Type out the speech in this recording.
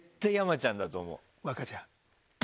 若ちゃん。